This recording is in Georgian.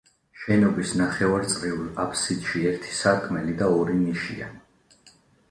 შენობის ნახევარწრიულ აფსიდში ერთი სარკმელი და ორი ნიშია.